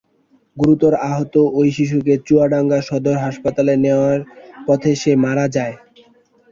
গুরুতর আহত ওই শিশুকে চুয়াডাঙ্গা সদর হাসপাতালে নেওয়ার পথে সে মারা যায়।